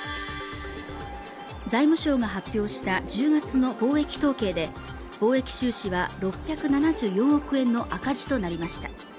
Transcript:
財務省が発表した１０月の貿易統計で、貿易収支は６７４億円の赤字となりました。